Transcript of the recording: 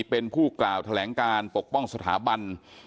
เป็นผู้กล่าวแถลงการปกป้องสถาบัน